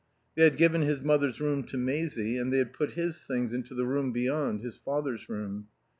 They had given his mother's room to Maisie, and they had put his things into the room beyond, his father's room.